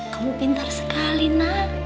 kamu pintar sekali nak